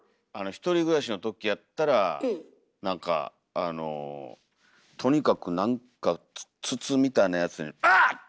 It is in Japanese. １人暮らしのときやったらなんかあのとにかくなんか筒みたいなやつに「アッ！」